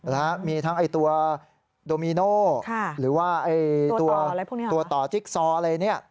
แล้วมีทั้งไอ้ตัวโดมิโน่หรือว่าไอ้ตัวต่อจิ๊กซออะไรเนี่ย